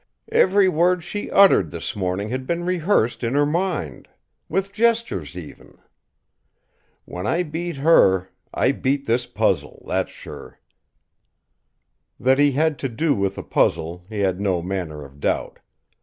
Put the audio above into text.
Every word she uttered this morning had been rehearsed in her mind with gestures, even. When I beat her, I beat this puzzle; that's sure." That he had to do with a puzzle, he had no manner of doubt.